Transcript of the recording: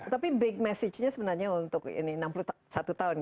tapi big message nya sebenarnya untuk ini enam puluh satu tahun